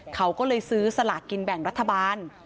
เขาก็เลยซื้อสลากกินแบ่งรัฐบาล